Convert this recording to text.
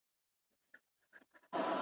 ورښكاره چي سي دښمن زړه يې لړزېږي.